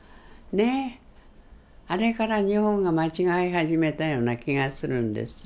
あれから日本が間違い始めたような気がするんです。